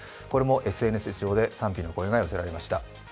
これもＳＮＳ上で賛否の声が寄せられました。